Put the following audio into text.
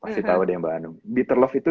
pasti tahu deh mbak anum bitter love itu